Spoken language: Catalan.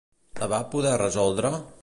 La va poder resoldre?